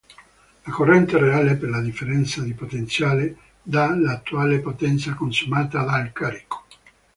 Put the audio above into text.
La corrente reale per la differenza di potenziale dà l'attuale potenza consumata dal carico.